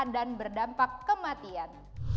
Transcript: dan berdampak kematian